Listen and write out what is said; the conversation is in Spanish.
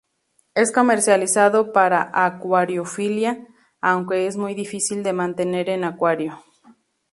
Es comercializado para acuariofilia, aunque es muy difícil de mantener en acuario.